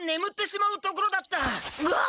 うわっ！